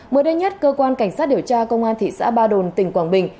mới đây nhất cơ quan cảnh sát điều tra công an thị xã ba đồn tỉnh quảng bình